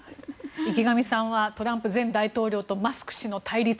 池上さんはトランプ前大統領とマスク氏の対立